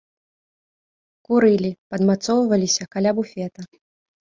Курылі, падмацоўваліся каля буфета.